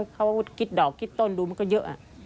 เขาก็คิดดอกคิดต้นดูมันก็เยอะ